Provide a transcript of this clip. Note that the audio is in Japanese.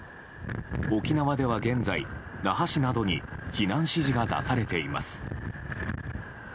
沖縄では現在、那覇市などに避難指示が出されています。